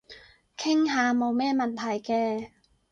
傾下冇咩問題嘅